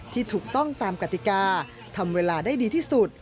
ที่ถูกต้องตามกติกาทำเวลาได้ดีที่สุด